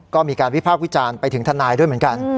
ก็มีการวิพากษ์วิจารณ์ไปถึงทนายด้วยเหมือนกัน